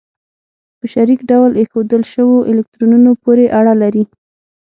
په شریک ډول ایښودل شوو الکترونونو پورې اړه لري.